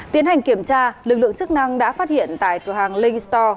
tiến hành kiểm tra lực lượng chức năng đã phát hiện tại cửa hàng link store